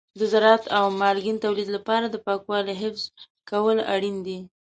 د زراعت او مالګین تولید لپاره د پاکوالي حفظ کول اړین دي.